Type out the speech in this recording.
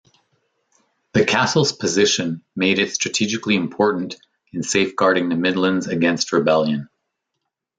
The castle's position made it strategically important in safeguarding the Midlands against rebellion.